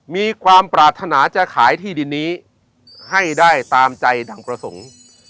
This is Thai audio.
มีความปรารถนาจะขายที่ดินนี้ให้ได้ตามใจดังประสงค์